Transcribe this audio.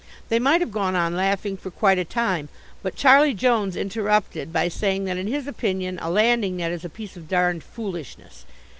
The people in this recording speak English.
They might have gone on laughing for quite a time, but Charlie Jones interrupted by saying that in his opinion a landing net is a piece of darned foolishness.